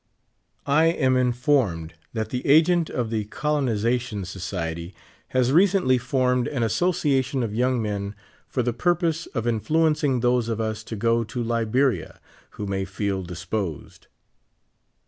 I am informed that the agent of the Colonization Soci ety has recently formed an association of young men for the purpose of influencing those of us to go to Liberia who may feel disposed.